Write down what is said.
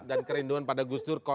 dan kerinduan pada gus dur